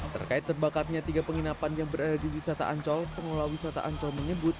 terkait terbakarnya tiga penginapan yang berada di wisata ancol pengelola wisata ancol menyebut